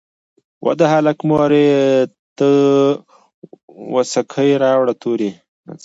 "وه د هلک مورې ته وڅکي راوړه توري".